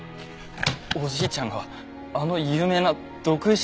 おじいちゃんがあの有名な毒医者